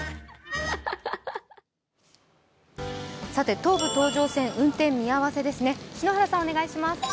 東武東上線、運転見合せですね。